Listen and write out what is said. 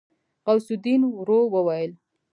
غوث الدين ورو وويل.